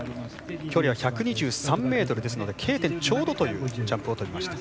距離は１２３ｍですのでＫ点ちょうどというジャンプを飛びました。